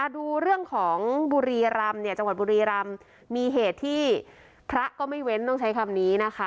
ดูเรื่องของบุรีรำเนี่ยจังหวัดบุรีรำมีเหตุที่พระก็ไม่เว้นต้องใช้คำนี้นะคะ